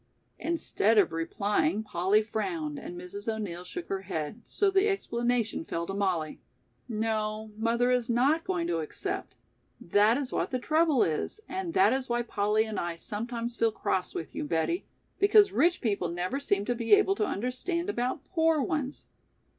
Instead of replying, Polly frowned and Mrs. O'Neill shook her head, so the explanation fell to Mollie. "No, mother is not going to accept; that is what the trouble is and that is why Polly and I sometimes feel cross with you, Betty, because rich people never seem to be able to understand about poor ones.